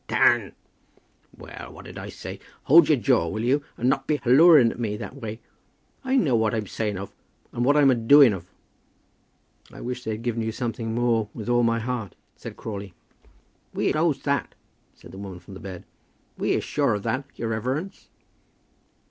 "Dan!" "Well, what did I say? Hold your jaw, will you, and not be halloaing at me that way? I know what I'm a saying of, and what I'm a doing of." "I wish they'd given you something more with all my heart," said Crawley. "We knows that," said the woman from the bed. "We is sure of that, your reverence."